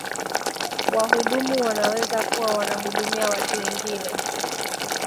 wahudumu wanaweza kuwa wanahudumia watu wengine